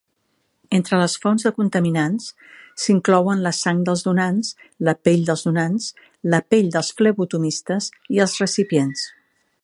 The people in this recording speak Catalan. Entre les fonts de contaminants s"inclouen la sang dels donants, la pell dels donants, la pell dels flebotomistes i els recipients.